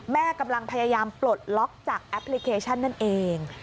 แม่กำลังพยายามปลดล็อกจากแอปพลิเคชันนั่นเอง